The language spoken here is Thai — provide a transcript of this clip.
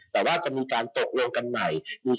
แต่ว่าจะมีการตกลงกันใหม่